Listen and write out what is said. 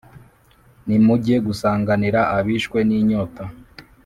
nimujye gusanganira abishwe n’inyota,